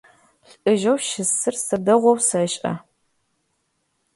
Лӏыжъэу щысыр сэ дэгъоу сэшӏэ.